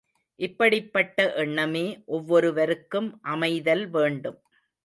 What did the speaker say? இப்படிப்பட்ட எண்ணமே ஒவ்வொருவருக்கும் அமைதல் வேண்டும்.